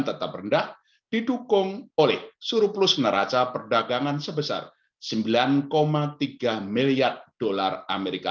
tetap rendah didukung oleh surplus neraca perdagangan sebesar sembilan tiga miliar dolar amerika